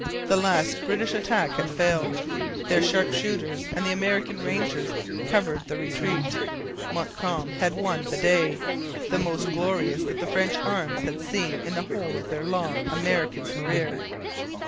The last British attack had failed. Their sharp shooters and the American rangers covered the retreat. Montcalm had won the day, the most glorious that French arms had seen in the whole of their long American career.